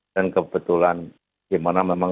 dan kebetulan gimana memang